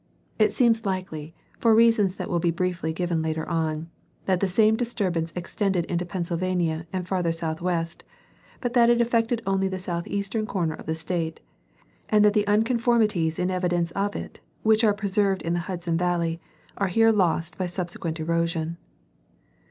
It seems likely, for reasons that will be briefly given later on, that the same disturbance extended into Pennsyl vania and farther southwest, but that it affected only the south eastern corner of the State ; and that the unconformities in e"vidence of it, which are preserved in the Hudson Valley, are here lost by subsequent erosion.